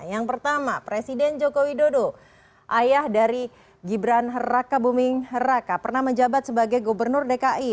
yang pertama presiden joko widodo ayah dari gibran raka buming raka pernah menjabat sebagai gubernur dki